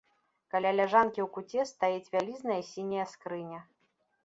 Каля ляжанкі ў куце стаіць вялізная сіняя скрыня.